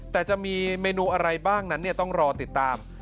แต่จะมีเมนูอะไรบ้างนั้นต้องรอติดตาม